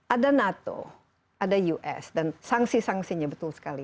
ada nato ada us dan sangsi sangsinya betul sekali